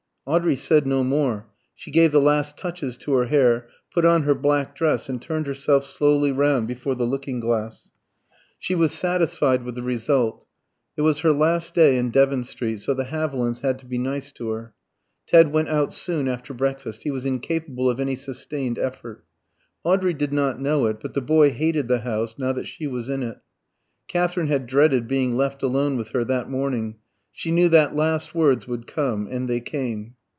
Audrey said no more. She gave the last touches to her hair, put on her black dress, and turned herself slowly round before the looking glass. She was satisfied with the result. It was her last day in Devon Street, so the Havilands had to be nice to her. Ted went out soon after breakfast; he was incapable of any sustained effort. Audrey did not know it, but the boy hated the house now that she was in it. Katherine had dreaded being left alone with her that morning. She knew that last words would come. And they came.